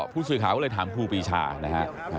ผู้สื่อข่าวก็เลยถามครูปีชานะฮะ